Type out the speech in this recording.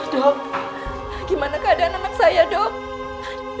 dok gimana keadaan anak saya dok